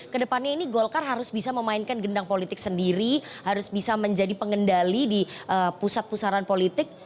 kedepannya ini golkar harus bisa memainkan gendang politik sendiri harus bisa menjadi pengendali di pusat pusaran politik